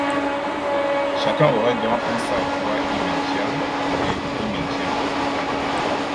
Chacun aurait donc un savoir immédiat de l'immédiat.